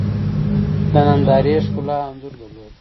د نندارې ښکلا انځور درلود.